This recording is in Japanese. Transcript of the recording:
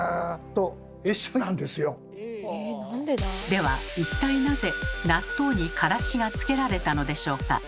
では一体なぜ納豆にからしがつけられたのでしょうか？